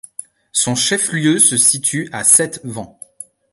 Son chef-lieu se situe à Sept-Vents.